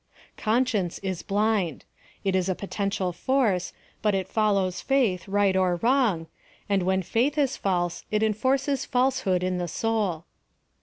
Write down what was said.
Conscience is blind. It is a potentiaJ force, but it follows faith right or wrong, and when faith is false it enforces falsehood in the soul.